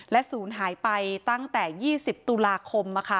ศูนย์หายไปตั้งแต่๒๐ตุลาคม